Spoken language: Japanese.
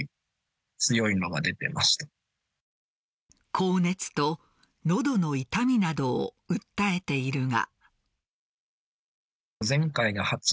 高熱と喉の痛みなどを訴えているが。